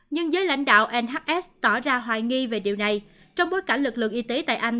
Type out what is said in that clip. nhưng giới lãnh đạo nhs tỏ ra hoài nghi về điều này trong bối cảnh lực lượng y tế tại anh